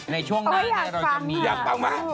ในช่วงหน้าเราจะมีอยากฟังค่ะอยากฟังมาก